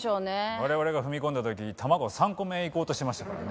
我々が踏み込んだ時卵３個目いこうとしてましたからね。